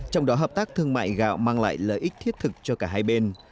trong đó hợp tác thương mại gạo mang lại lợi ích thiết thực cho cả hai bên